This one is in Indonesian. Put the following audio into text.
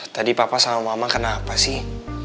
tadi papa sama mama kenapa sih